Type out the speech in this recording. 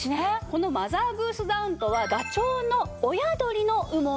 このマザーグースダウンとはガチョウの親鳥の羽毛の事なんですね。